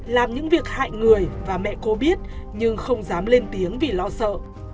làm những việc hại người và mẹ cô biết nhưng không dám lên tiếng vì lo sợ